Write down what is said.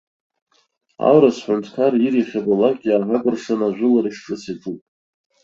Аурыс ҳәынҭкар ир иахьабалак иааҳакәыршаны ажәылара ишаҿыц иаҿуп.